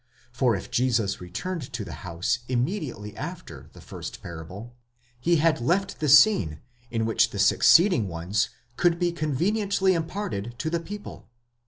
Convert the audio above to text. for if Jesus returned to the house immediately after the first parable, he had left the scene in which the succeeding ones could be conveniently imparted to the people.